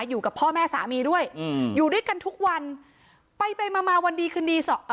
อยู่กับพ่อแม่สามีด้วยอืมอยู่ด้วยกันทุกวันไปไปมามาวันดีคืนดีเอ่อ